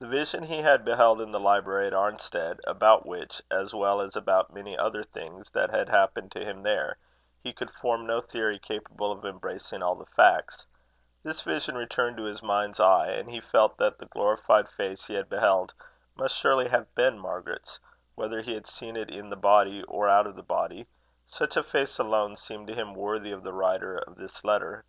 The vision he had beheld in the library at Arnstead, about which, as well as about many other things that had happened to him there, he could form no theory capable of embracing all the facts this vision returned to his mind's eye, and he felt that the glorified face he had beheld must surely have been Margaret's, whether he had seen it in the body or out of the body: such a face alone seemed to him worthy of the writer of this letter.